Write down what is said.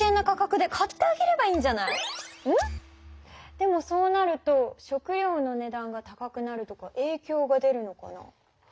でもそうなると食料の値段が高くなるとかえいきょうが出るのかな？